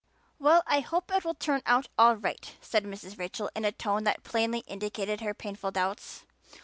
"Well, I hope it will turn out all right," said Mrs. Rachel in a tone that plainly indicated her painful doubts.